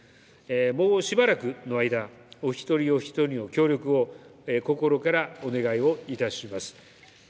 もうしばらくの間、お一人お一人の協力を心からお願いをいたします。